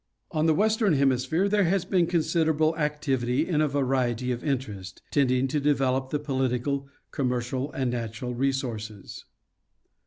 On the western hemisphere there has been considerable activity in a variety of interest, tending to develop the political, commer cial and natural resources.